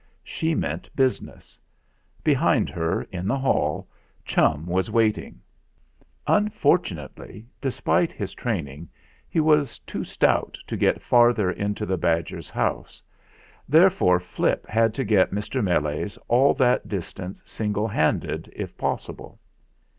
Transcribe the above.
She meant business. Behind her, in the hall, Chum was waiting. Unfortunately, despite his training, he was too stout to get farther into the badger's house ; therefore Flip had to get Mr. Meles all that distance single handed if possible.